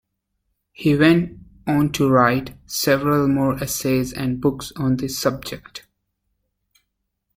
He went on to write several more essays and books on the subject.